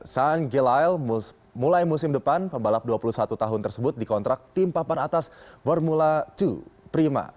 sang gilile mulai musim depan pembalap dua puluh satu tahun tersebut dikontrak tim papan atas formula dua prima